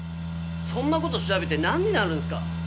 そんな事調べてなんになるんすか？